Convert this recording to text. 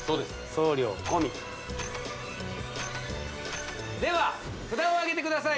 送料込みでは札をあげてください